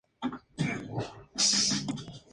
Peach, Ms.